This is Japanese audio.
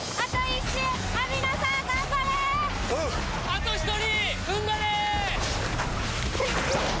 あと１人！